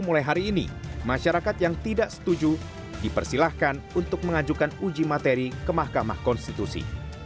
mulai hari ini masyarakat yang tidak setuju dipersilahkan untuk mengajukan uji materi ke mahkamah konstitusi